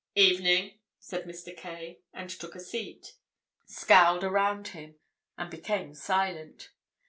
"Evening," said Mr. Kaye and took a seat, scowled around him, and became silent.